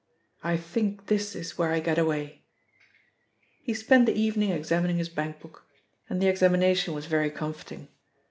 "I think this is where I get away." He spent the evening examining his bankbook, and the examination was very comforting.